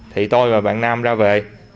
thì tôi và bạn nam ra về